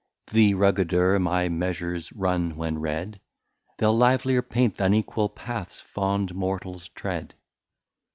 The ruggeder my Measures run when read, They'l livelier paint th'unequal Paths fond Mortals tread.